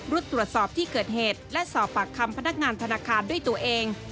รุดตรวจสอบที่เกิดเหตุและสอบปากคำพนักงานธนาคารด้วยตัวเอง